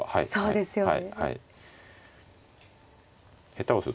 そうですね。